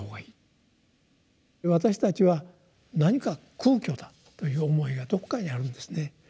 私たちは何か空虚だという思いがどこかにあるんですね。